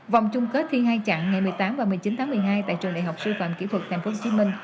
vòng chung kết thi hai chặng ngày một mươi tám và một mươi chín tháng một mươi hai tại trường đại học sư phạm kỹ thuật tp hcm